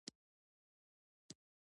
افغانستان په خپلو چرګانو باندې تکیه لري.